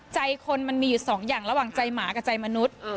ใจคนมันมีอยู่สองอย่างระหว่างใจหมากับใจมนุษย์